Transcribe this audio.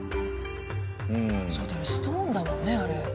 そうだストーンだろうねあれ。